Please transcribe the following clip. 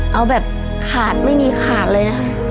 เอาแบบขาดไม่มีขาดเลยนะคะ